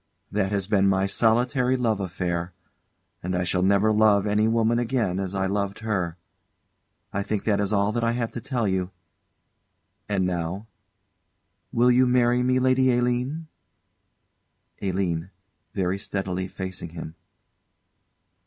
That has been my solitary love affair; and I shall never love any woman again as I loved her. I think that is all that I have to tell you. And now will you marry me, Lady Aline? ALINE. [_Very steadily, facing him.